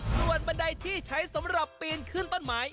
ส่วนบันไดที่ใช้สำหรับปีนขึ้นต้นไม้